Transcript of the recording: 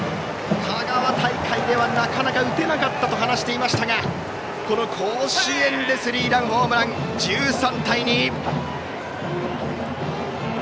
香川大会ではなかなか打てなかったと話していましたがこの甲子園でスリーランホームラン１３対２。